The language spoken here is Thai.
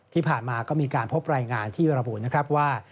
ที่ผ่านมาก็มีการพบรายงานที่ระบุนะครับว่า